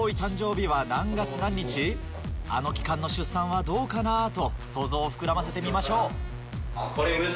あの期間の出産はどうかな？とソウゾウを膨らませてみましょう。